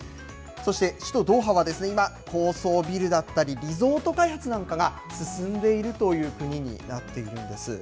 そして首都ドーハは今、高層ビルだったり、リゾート開発なんかが進んでいるという国になっているんです。